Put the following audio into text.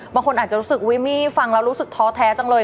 บางคนอาจจะรู้สึกอุ๊ยมี่ฟังแล้วรู้สึกท้อแท้จังเลย